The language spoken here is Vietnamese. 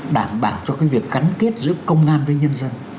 đảm bảo cho cái việc gắn kết giữa công an với nhân dân